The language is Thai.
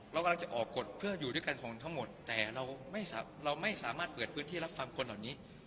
เรากำลังจะออกกฎเพื่ออยู่ด้วยกันของทั้งหมดแต่เราไม่สามารถเปิดพื้นที่รับฟังคนเหล่านี้